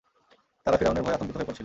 তারা ফিরআউনের ভয়ে আতংকিত হয়ে পড়ছিল।